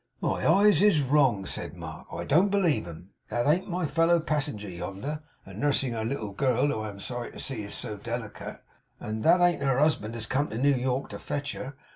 'My eyes is wrong!' said Mark. 'I don't believe 'em. That ain't my fellow passenger younder, a nursing her little girl, who, I am sorry to see, is so delicate; and that ain't her husband as come to New York to fetch her.